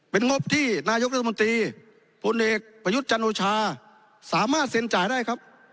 เป็นงบที่นายกรัฐมนตรีพลเอกประยุทธ์จันโอชาสามารถเซ็นจ่ายได้ครับ